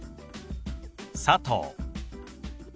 「佐藤」。